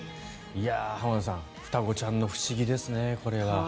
浜田さん、双子ちゃんの不思議ですね、これは。